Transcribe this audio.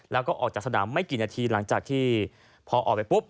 แล้วก็ออกจากสนามไม่กี่นาทีหลังจากที่พอออกไปปุ๊บ